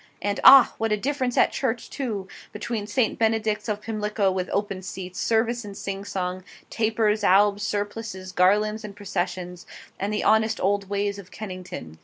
And ah! what a difference at Church too! between St. Benedict's of Pimlico, with open seats, service in sing song tapers albs surplices garlands and processions, and the honest old ways of Kennington!